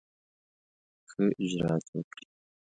ښه اجرآت وکړي.